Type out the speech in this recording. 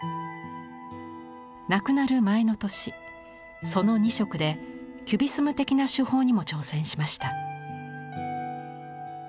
亡くなる前の年その２色でキュビスム的な手法にも挑戦しました。